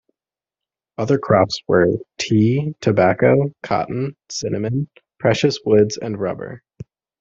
Other crops were tea, tobacco, cotton, cinnamon, precious woods and rubber.